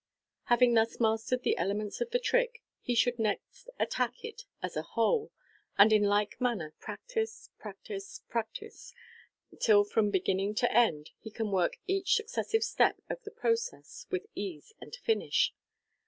Having thus mastered the elements of the trick, he should next attack it as a whole, and in like manner practise, practise, practise, till from begin ning to end he can work each successive step of the process with ease and finish.